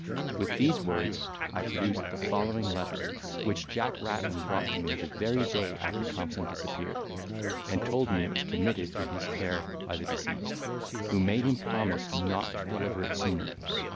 With these words, I produced the following letter, which Jack Rattlin brought to me the very day after Thompson disappeared; and told me it was committed to his care by the deceased, who made him promise not to deliver it sooner.